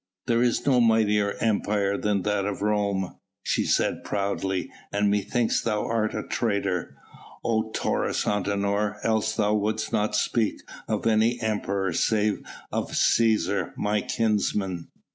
"There is no mightier empire than that of Rome," she said proudly, "and methinks thou art a traitor, oh Taurus Antinor, else thou wouldst not speak of any emperor save of Cæsar, my kinsman."